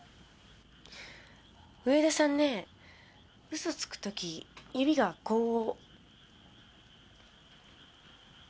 上田さんねえ嘘つく時指がこう。